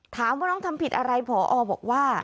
ถามว่าน้องทำผิดอะไรผอบอกว่า